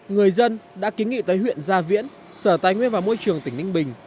người dân đã kiến nghị tới huyện gia viễn sở tài nguyên và môi trường tỉnh ninh bình